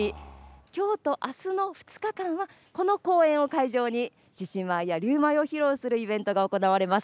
きょうとあすの２日間は、この公園を会場に、獅子舞や龍舞を披露するイベントが行われます。